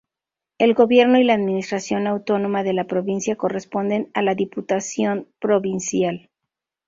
El Gobierno y la administración autónoma de la provincia corresponden a la Diputación Provincial.